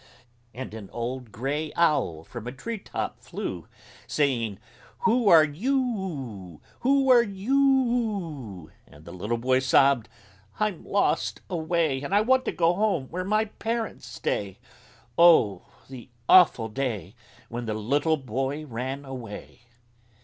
And an old gray Owl from a treetop flew, Saying: "Who are you oo? Who are you oo?" And the little boy sobbed: "I'm lost away, And I want to go home where my parents stay!" Oh, the awful day When the little boy ran away!